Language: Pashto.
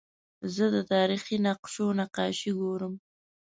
زه د تاریخي نقشو نقاشي ګورم.